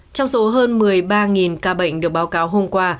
trong số hơn một mươi ba ca bệnh được báo cáo hôm qua